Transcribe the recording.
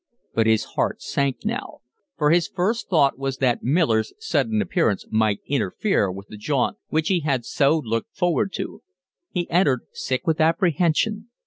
But his heart sank now, for his first thought was that Miller's sudden appearance might interfere with the jaunt which he had so looked forward to. He entered, sick with apprehension.